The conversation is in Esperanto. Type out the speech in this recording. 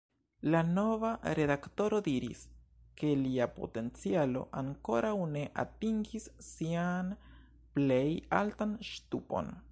La nova redaktoro diris, ke lia potencialo ankoraŭ ne atingis sian plej altan ŝtupon.